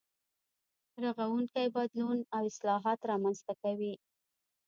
رغونکی بدلون او اصلاحات رامنځته کوي.